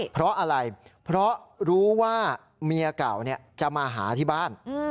เพราะอะไรเพราะรู้ว่าเมียเก่าจะมาหาที่บ้าน